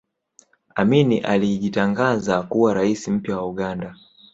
amini alijitangaza kuwa rais mpya wa uganda